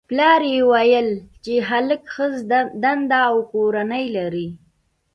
پلار یې ویل چې هلک ښه دنده او کورنۍ لري